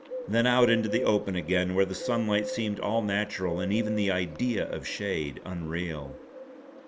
Then out into the open again where the sunlight seemed all natural and even the idea of shade unreal.